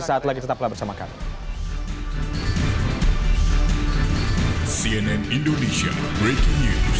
sampai jumpa lagi bersama kami